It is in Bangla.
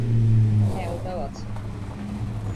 হ্যাঁ, ওটাও আছে।